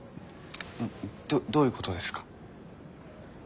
どどういうことですか？